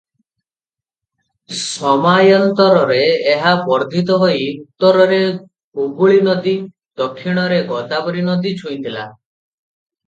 ସମାୟାନ୍ତରରେ ଏହା ବର୍ଦ୍ଧିତ ହୋଇ ଉତ୍ତରରେ ହୁଗୁଳୀନଦୀ, ଦକ୍ଷିଣରେ ଗୋଦାବରୀନଦୀ ଛୁଇଁଥିଲା ।